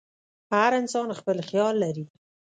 هر انسان خپل خیال لري.